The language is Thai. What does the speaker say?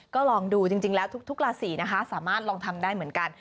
ก็ลองดูจริงแล้วทุกราศีนะคะสามารถลองทำได้เหมือนกัน